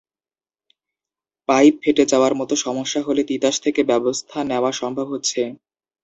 Pipe ফেটে যাওয়ার মতো সমস্যা হলে তিতাস থেকে ব্যবস্থা নেওয়া সম্ভব হচ্ছে।